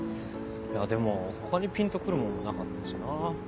でも他にピンとくるものもなかったしな。